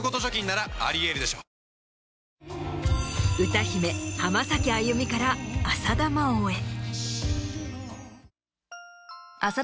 歌姫浜崎あゆみから浅田真央へ。